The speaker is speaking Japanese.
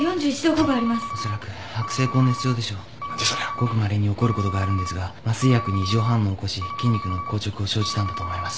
ごくまれに起こることがあるんですが麻酔薬に異常反応を起こし筋肉の硬直を生じたんだと思います。